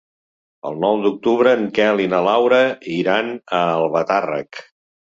El nou d'octubre en Quel i na Laura iran a Albatàrrec.